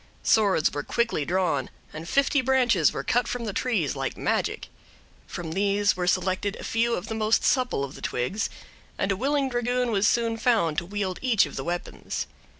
Swords were quickly drawn, and fifty branches were cut from the trees, like magic; from these were selected a few of the most supple of the twigs, and a willing dragoon was soon found to wield each of the weapons.